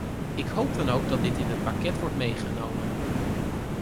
Ik hoop dan ook dat dit in het pakket wordt meegenomen.